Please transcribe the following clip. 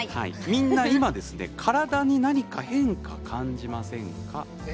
みんな今、体に何か変化を感じませんか。